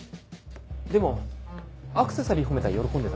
でもアクセサリー褒めたら喜んでたし。